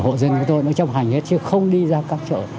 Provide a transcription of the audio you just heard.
hộ dân của tôi nó chấp hành hết chứ không đi ra các chợ